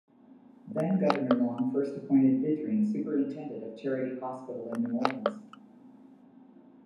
Then Governor Long first appointed Vidrine superintendent of Charity Hospital in New Orleans.